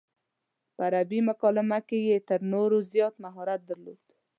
په عربي مکالمه کې یې تر نورو زیات مهارت درلود.